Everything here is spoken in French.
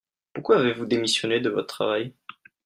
Pourquoi avez-vous démissioné de votre travail ?